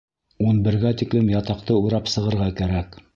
Ун бергә тиклем ятаҡты урап сығырға кәрәк.